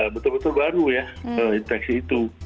betul betul baru ya infeksi itu